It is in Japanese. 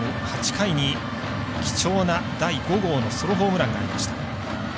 ８回に貴重な第５号のソロホームランがありました。